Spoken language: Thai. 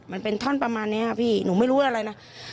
มันเป็นท่อนประมาณนี้พี่หนูไม่รู้อะไรนะ